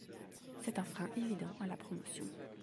C'est un frein évident à la promotion.